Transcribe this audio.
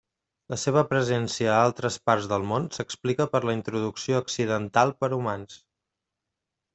La seva presència a altres parts del món s'explica per la introducció accidental per humans.